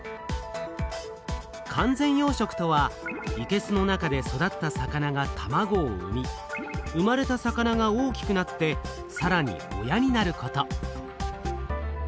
「完全養しょく」とはいけすの中で育った魚がたまごを産み生まれた魚が大きくなってさらに親になること。